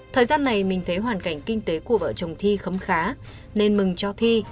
thời gian này mình thấy hoàn cảnh kinh tế của vợ chồng thi khấm khá nên mừng cho thi